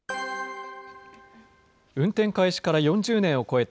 運転開始から４０年を超えた